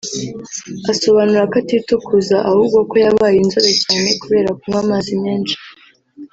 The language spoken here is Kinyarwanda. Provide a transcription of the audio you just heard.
asobanura ko atitukuza ahubwo ko yabaye inzobe cyane kubera kunywa amazi menshi